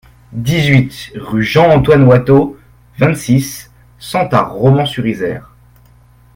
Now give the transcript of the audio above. dix-huit rue Jean-Antoine Watteau, vingt-six, cent à Romans-sur-Isère